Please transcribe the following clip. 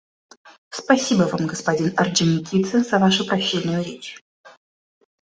Спасибо Вам, господин Орджоникидзе, за вашу прощальную речь.